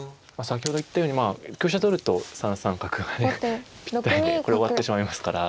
先ほど言ったように香車取ると３三角がぴったりでこれ終わってしまいますから。